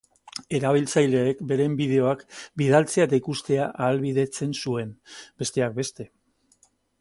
Erabiltzaileek beren bideoak bidaltzea eta ikustea ahalbidetzen zuen, besteak beste.